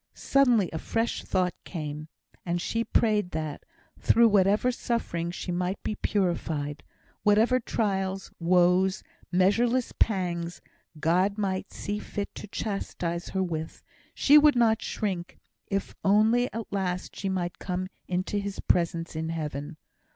Suddenly a fresh thought came, and she prayed that, through whatever suffering, she might be purified. Whatever trials, woes, measureless pangs, God might see fit to chastise her with, she would not shrink, if only at last she might come into His presence in Heaven.